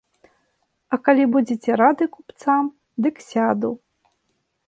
А калі будзеце рады купцам, дык сяду.